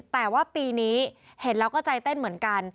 แต่ว่าปีนี้เห็นแล้วก็ใจเต้นเหมือนกัน